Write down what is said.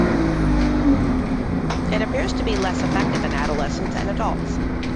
It appears to be less effective in adolescents and adults.